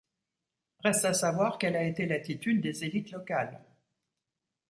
Reste à savoir quelle a été l'attitude des élites locales.